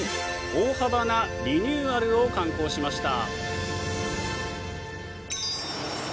大幅なリニューアルを敢行しました。